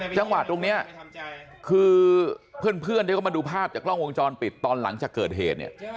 จังหวะตรงนี้คือเพื่อนที่เขามาดูภาพจากกล้องวงจรปิดตอนหลังจากเกิดเหตุเนี่ย